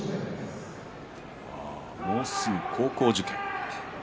もうすぐ高校受験。